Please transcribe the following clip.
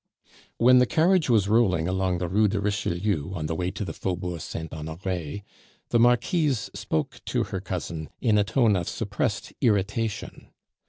When the carriage was rolling along the Rue de Richelieu on the way to the Faubourg Saint Honore, the Marquise spoke to her cousin in a tone of suppressed irritation.